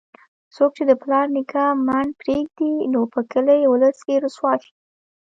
څوک چې د پلار نیکه منډ پرېږدي، نو په کلي اولس کې رسوا شي.